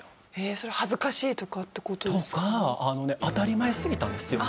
それは恥ずかしいとかって事ですか？とかあのね当たり前すぎたんですよ